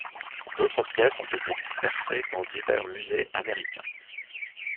D'autres pièces ont été dispersées dans divers musées américains.